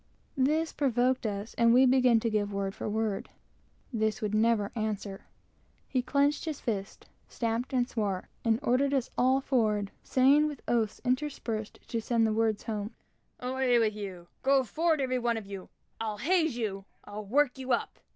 This provoked us, and we began to give word for word. This would never answer. He clenched his fist, stamped and swore, and sent us all forward, saying, with oaths enough interspersed to send the words home, "Away with you! go forward every one of you! I'll haze you! I'll work you up!